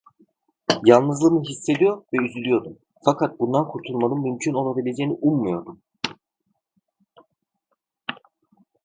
Yalnızlığımı hissediyor ve üzülüyordum fakat bundan kurtulmanın mümkün olabileceğini ummuyordum.